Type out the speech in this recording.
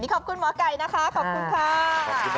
ขอบคุณหมอไก่นะคะขอบคุณค่ะ